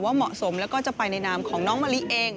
เหมาะสมแล้วก็จะไปในนามของน้องมะลิเอง